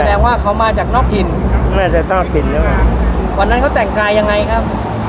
แสดงว่าเขามาจากนอกถิ่นไม่จากนอกถิ่นวันนั้นเขาแต่งกายยังไงครับ